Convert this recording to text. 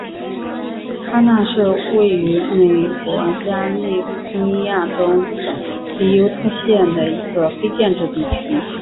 卡纳是位于美国加利福尼亚州比尤特县的一个非建制地区。